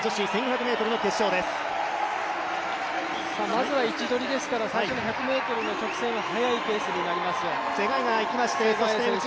まずは位置取りですから最初の１００ｍの直線は速いペースになります。